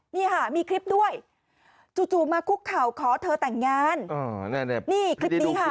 นี่ค่ะมีคลิปด้วยจู่มาคุกเข่าขอเธอแต่งงานนี่คลิปนี้ค่ะ